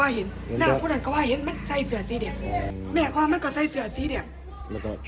อันดับสุดท้ายก็คืออันดับสุดท้าย